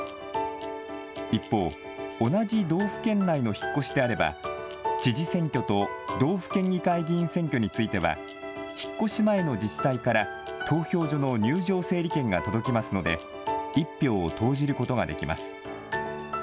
一方、同じ道府県内の引っ越しであれば、知事選挙と道府県議会議員選挙については引っ越し前の自治体から投票所の入場整理券が届きますので、１票を投じることができます。